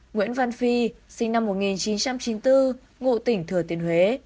nguyễn văn phi sinh năm một nghìn chín trăm chín mươi bốn ngụ tỉnh thừa thiên huế